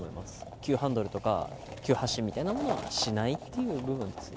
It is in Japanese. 急ハンドルとか急発進みたいなものをしないという部分ですね。